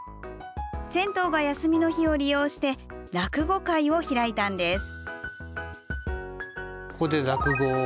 銭湯が休みの日を利用して落語会を開いたんです。